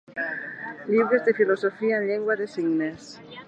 Llibres de filosofia en llengua de signes.